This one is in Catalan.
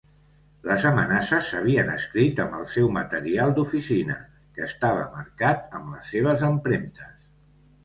Les amenaces s'havien escrit amb el seu material d'oficina, que estava marcat amb les seves empremtes.